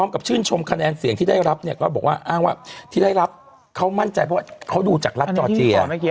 กับชื่นชมคะแนนเสียงที่ได้รับเนี่ยก็บอกว่าอ้างว่าที่ได้รับเขามั่นใจเพราะว่าเขาดูจากรัฐจอร์เจีย